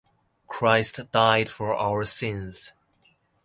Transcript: Christ died for our sins.